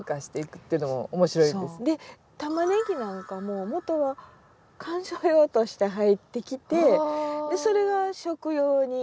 タマネギなんかももとは観賞用として入ってきてそれが食用になったり。